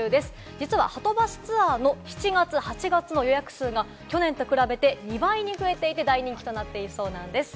実は、はとバスツアーの７月、８月の予約数が去年と比べて、２倍に増えて大人気となっているそうです。